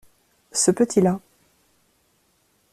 Ce petit-là.